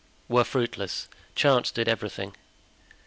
"Were fruitless; chance did everything."